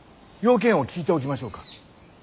用件を聞いておきましょうか。